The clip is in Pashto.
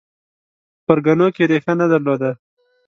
په پرګنو کې ریښه نه درلوده